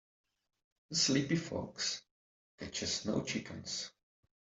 The sleepy fox catches no chickens.